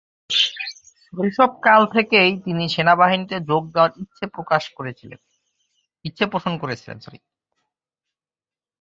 শৈশবকাল থেকেই তিনি সেনাবাহিনীতে যোগ দেয়ার ইচ্ছে পোষণ করেছিলেন।